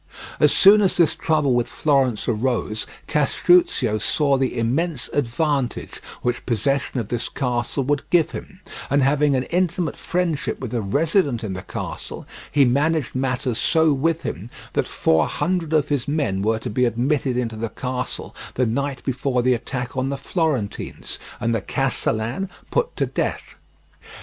As soon as this trouble with Florence arose, Castruccio saw the immense advantage which possession of this castle would give him, and having an intimate friendship with a resident in the castle, he managed matters so with him that four hundred of his men were to be admitted into the castle the night before the attack on the Florentines, and the castellan put to death.